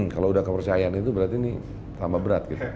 kalau udah kepercayaan itu berarti ini tambah berat gitu